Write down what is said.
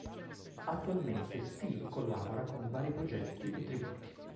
Attualmente Steve collabora con vari progetti e tributi.